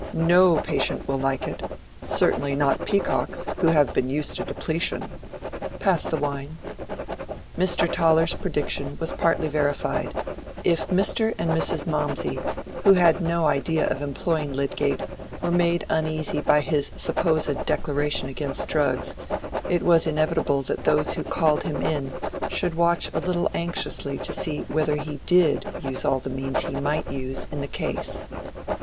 No patient will like it—certainly not Peacock's, who have been used to depletion. Pass the wine." Mr. Toller's prediction was partly verified. If Mr. and Mrs. Mawmsey, who had no idea of employing Lydgate, were made uneasy by his supposed declaration against drugs, it was inevitable that those who called him in should watch a little anxiously to see whether he did "use all the means he might use" in the case.